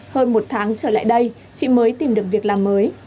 hơn một tháng trở lại đây chị mới tìm được việc làm mới